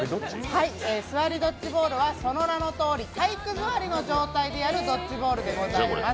「座りドッジボール」はその名のとおり体育座りの状態でやるドッジボールでございます。